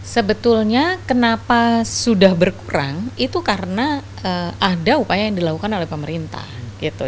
sebetulnya kenapa sudah berkurang itu karena ada upaya yang dilakukan oleh pemerintah gitu